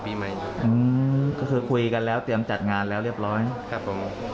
ติดที่เราไปเสียก่อนอยู่แล้วครับ